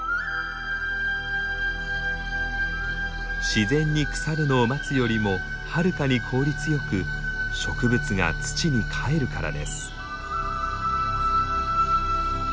自然に腐るのを待つよりもはるかに効率よく植物が土に返るからです。